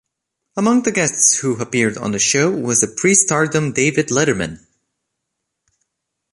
Among the guests who appeared on the show was a pre-stardom David Letterman.